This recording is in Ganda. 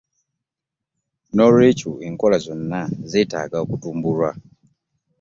N'olwekyo enkola zonna zeetaaga okutumbulwa